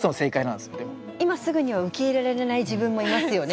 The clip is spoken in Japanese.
今すぐには受け入れられない自分もいますよね。